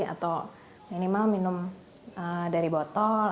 atau minimal minum dari botol